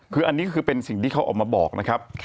คืออันนี้ก็คือเป็นสิ่งที่เขาออกมาบอกนะครับ